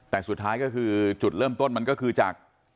แต่สุดท้ายก็คือจุดเริ่มต้นมันก็คือจาก